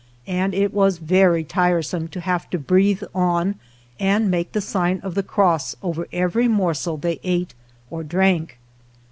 And it was very tiresome to have to breathe on and make the sign of the cross over every morsel they ate or drank.